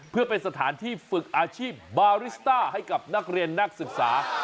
เพื่อเป็นสถานที่ฝึกอาชีพบาริสต้าให้กับนักเรียนนักศึกษา